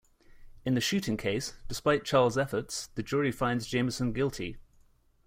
In the shooting case, despite Charles' efforts, the jury finds Jamison guilty.